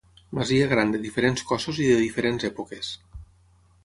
Masia gran de diferents cossos i de diferents èpoques.